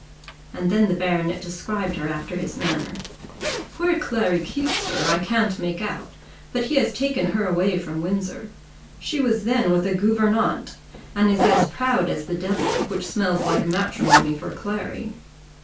And then the baronet described her after his manner. "Where Clary keeps her now, I can't make out; but he has taken her away from Windsor. She was then with a gouvernante, and is as proud as the devil, which smells like matrimony for Clary."